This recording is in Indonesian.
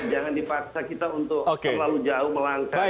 jangan dipaksa kita untuk terlalu jauh melangkah